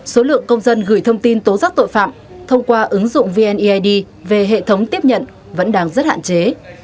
số lượng công dân gửi thông tin tố giác tội phạm thông qua ứng dụng vneid về hệ thống tiếp nhận vẫn đang rất hạn chế